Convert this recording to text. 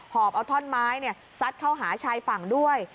อบเอาท่อนไม้ซัดเข้าหาชายฝั่งด้วย